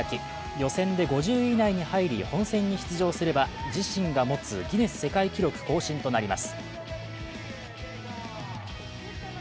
予選で５０位以内に入り本戦に出場すれば自身が持つギネス世界記録更新となります。